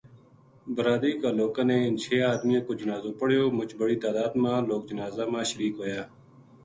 بلادری کا لوکاں نے اِنھ چھیاں ادمیاں کو جنازو پڑھیو مُچ بڑی تعداد ما لوک جنازہ ما شریک ہویا